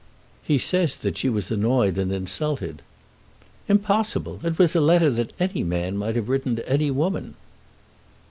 "He says that she was annoyed and insulted." "Impossible! It was a letter that any man might have written to any woman."